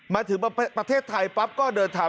มาถึงประเทศไทยปั๊บก็เดินทาง